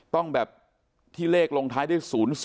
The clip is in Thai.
ต้องแบบที่เลขลงท้ายด้วย๐๒